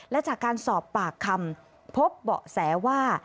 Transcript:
และจากการสอบปากคำพบเบาะแสว่า